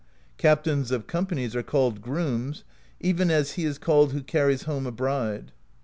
^ Captains of companies are called Grooms, even as he is called who carries home a bride.